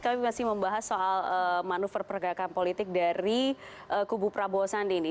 kami masih membahas soal manuver pergerakan politik dari kubu prabowo sandi ini